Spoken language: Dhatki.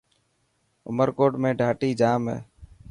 عمرڪوٽ ۾ ڌاٽي ڄام هي.